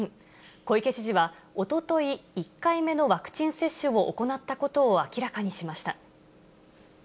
小池知事はおととい、１回目のワクチン接種を行ったことを明らかにしました。